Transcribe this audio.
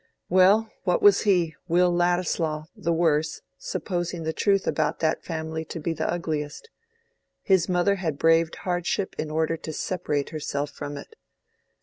Well! what was he, Will Ladislaw, the worse, supposing the truth about that family to be the ugliest? His mother had braved hardship in order to separate herself from it.